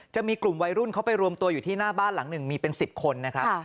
จะมีกลุ่มวัยรุ่นเขาไปรวมตัวอยู่ที่หน้าบ้านหลังหนึ่งมีเป็น๑๐คนนะครับ